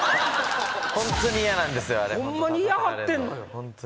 ホンマに嫌がってんのよ。